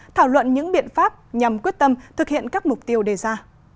thảo luận những biện pháp nhằm quyết tâm thực hiện các mục tiêu đề ra